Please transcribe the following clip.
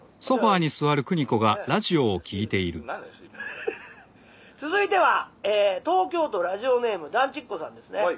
「ははっ続いては東京都ラジオネーム団地っこさんですね」